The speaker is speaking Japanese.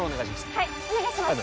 はいお願いします